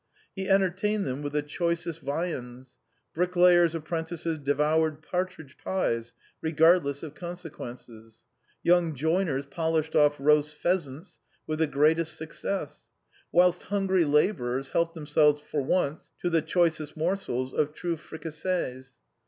He entertained them with the choic est viands : bricklayer's apprentices devoured partridge pies regardless of consequences ; young joiners polished off roast pheasants with the greatest success ; whilst hun gry labourers helped themselves for once to the choicest morsels of truffes fricassees.